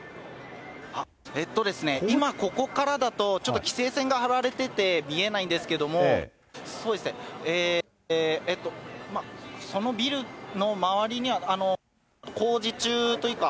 今ここからだと、ちょっと規制線が張られてて見えないんですけども、そのビルの周りには工事中というか、